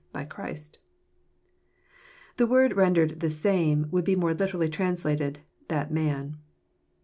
by Christ. The word rendered " the same " would be more literally trans lated, " that man."